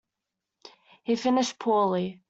He finished poorly.